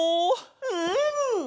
うん！